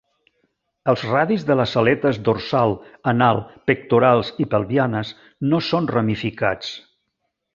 Els radis de les aletes dorsal, anal, pectorals i pelvianes no són ramificats.